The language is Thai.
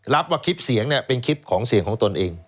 รับว่าคลิปเสียงเนี่ยเป็นคลิปของเสียงของตนเอง